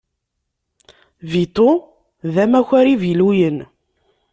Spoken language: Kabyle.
Vito d amakar iviluyen.